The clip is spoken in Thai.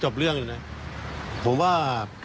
ผมว่า